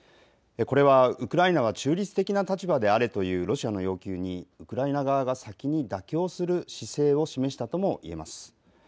これはウクライナは中立的な立場であれというロシアの要求にウクライナ側が先に妥協する姿勢を示したとも言えます。